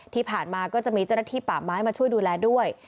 ก็จะมีเจ้าหน้าที่ป่าไม้มาช่วยดูแลด้วย